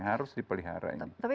harus dipelihara ini